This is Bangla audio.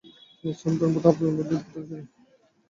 তিনি সুলতান প্রথম আবদুল মজিদের পুত্র ছিলেন।